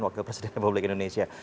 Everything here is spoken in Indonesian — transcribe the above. waktu presiden republik indonesia